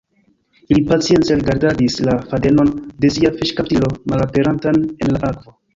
Ili pacience rigardadis la fadenon de sia fiŝkaptilo malaperantan en la akvo.